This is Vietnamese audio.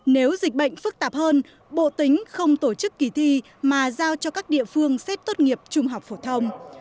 nếu dịch bệnh phức tạp hơn bộ tính không tổ chức kỳ thi mà giao cho các địa phương xét tốt nghiệp trung học phổ thông